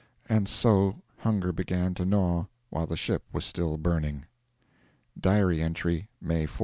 And so hunger began to gnaw while the ship was still burning. (Diary entry) May 4.